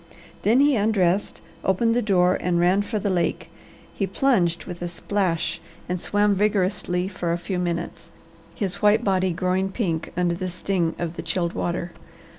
Then he undressed, opened the door, and ran for the lake. He plunged with a splash and swam vigorously for a few minutes, his white body growing pink under the sting of the chilled water.